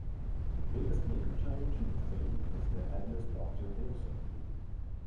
The biggest makeup challenge in the film was the headless Doctor Hill zombie.